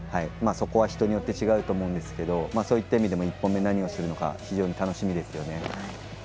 そこは人によって違うと思いますがそういった意味でも１本目何をするのか非常に楽しみですよね。